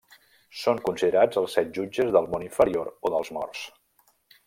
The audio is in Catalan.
Són considerats els set jutges del món inferior o dels morts.